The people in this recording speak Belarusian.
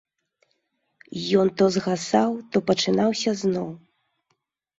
Ён то згасаў, то пачынаўся зноў.